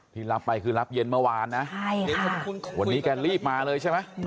รับไปคือรับเย็นเมื่อวานนะใช่ค่ะวันนี้แกรีบมาเลยใช่ไหม